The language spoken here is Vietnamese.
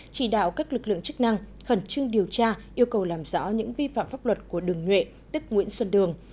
chỉ đạo các lực lượng chức năng khẩn trương điều tra yêu cầu làm rõ những vi phạm pháp luật của đường nhuệ tức nguyễn xuân đường